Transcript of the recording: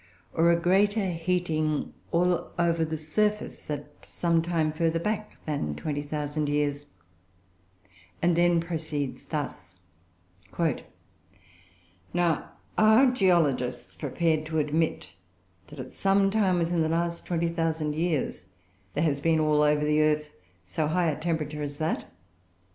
or a greater heating all over the surface at some time further back than 20,000 years, and then proceeds thus: "Now, are geologists prepared to admit that, at some time within the last 20,000 years, there has been all over the earth so high a temperature as that?